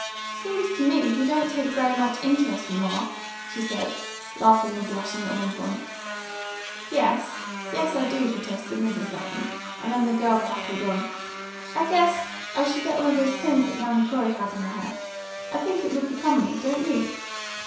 "Seems to me you don't take very much interest, mamma!" she said, laughing and blushing at one point. "Yes, yes, I do," protested Mrs. Lapham, and then the girl prattled on. "I guess I shall get one of those pins that Nanny Corey had in her hair. I think it would become me, don't you?"